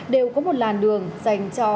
đều có một làn đường dành cho